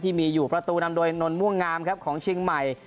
ที่มีอยู่ประตูนำโดยนนม่วงงามของชิงใหม่